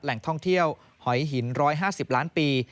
แหล่งท่องเที่ยวหอยหิน๑๕๐ล้านปี